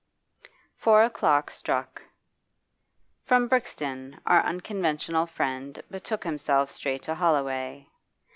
Four o'clock struck. From Brixton our unconventional friend betook himself straight to Holloway.